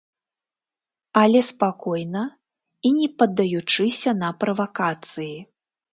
Але спакойна і не паддаючыся на правакацыі.